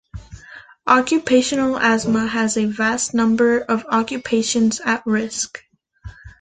Occupational asthma has a vast number of occupations at risk.